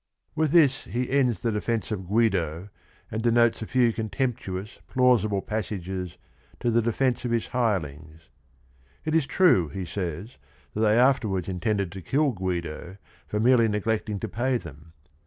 With this he ends the defe nce of Guido an d denotesa^ew contemptuous, plau sible passa ges to the defence of his hirelings. It is true, he says/ that they afterwards intended to kill Guido for merely neglecting to pay them.